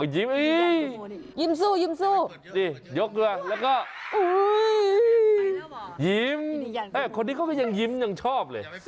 ยิ้มอ่ะคนนี้ก็ยังยิ้มยังชอบเลย